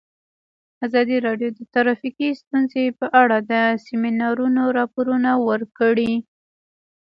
ازادي راډیو د ټرافیکي ستونزې په اړه د سیمینارونو راپورونه ورکړي.